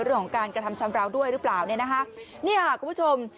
ของการกระทำชำราวด้วยหรือเปล่านี่ค่ะคุณผู้ชม